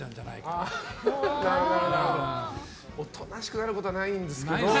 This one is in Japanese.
なるほど、大人しくなることはないんですけど。